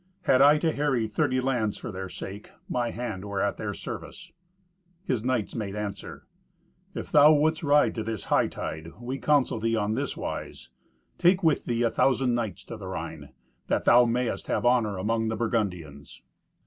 Had I to harry thirty lands for their sake, my hand were at their service." His knights made answer, "If thou wouldst ride to this hightide, we counsel thee on this wise: take with thee a thousand knights to the Rhine, that thou mayest have honour among the Burgundians."